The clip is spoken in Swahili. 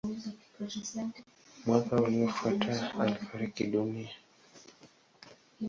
Mwaka uliofuata alifariki dunia.